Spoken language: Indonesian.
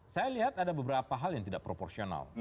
saya lihat ada beberapa hal yang tidak proporsional